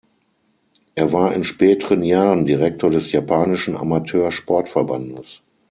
Er war in späteren Jahren Direktor des japanischen Amateur-Sportverbandes.